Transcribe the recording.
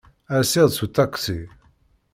Rseɣ-d seg uṭaksi.